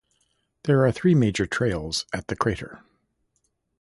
There are three major trails at the crater.